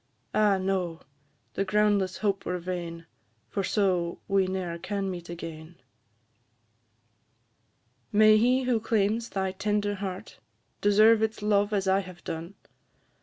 Ah, no! the groundless hope were vain, For so we ne'er can meet again! May he who claims thy tender heart, Deserve its love as I have done!